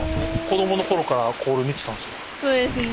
子供のころからここで見てたんですか？